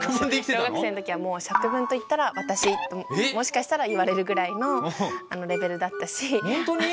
小学生の時はもう作文と言ったら私ともしかしたら言われるぐらいのレベルだったし。